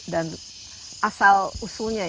dan asal usulnya